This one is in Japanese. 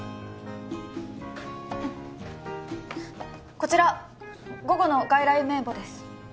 こちら午後の外来名簿です